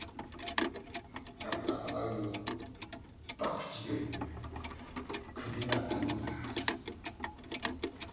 度重なる博打で首になったんでございます。